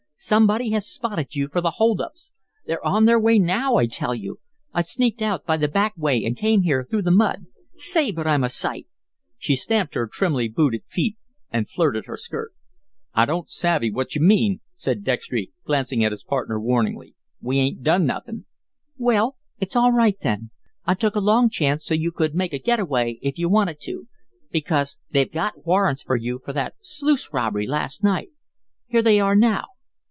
Somebody has spotted you for the hold ups. They're on their way now, I tell you. I sneaked out by the back way and came here through the mud. Say, but I'm a sight!" She stamped her trimly booted feet and flirted her skirt. "I don't savvy what you mean," said Dextry, glancing at his partner warningly. "We ain't done nothin'." "Well, it's all right then. I took a long chance so you could make a get away if you wanted to, because they've got warrants for you for that sluice robbery last night. Here they are now."